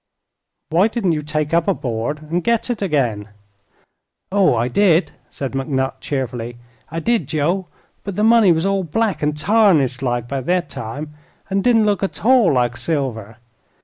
"Why didn't you take up a board, and get it again?" "Oh, I did," said McNutt. cheerfully. "I did, Joe. But the money was all black an' tarnished like, by thet time, an' didn't look at all like silver.